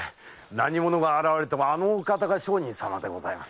何者が現れてもあのお方が上人様でございます。